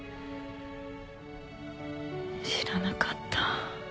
知らなかった。